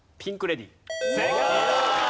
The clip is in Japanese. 正解！